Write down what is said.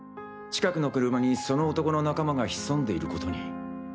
近くの車にその男の仲間が潜んでいるコトに。